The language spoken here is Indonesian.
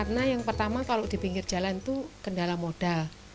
karena yang pertama kalau di pinggir jalan itu kendala modal